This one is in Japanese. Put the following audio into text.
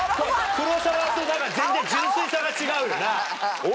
黒沢と全然純粋さが違うよな。